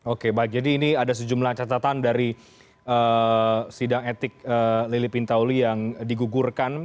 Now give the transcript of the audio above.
oke baik jadi ini ada sejumlah catatan dari sidang etik lili pintauli yang digugurkan